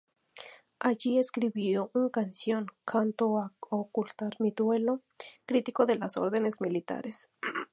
Allí escribió un canción, "Canto a ocultar mi duelo", crítico de la órdenes militares.